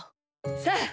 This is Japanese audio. さあ。